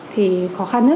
thì khó khăn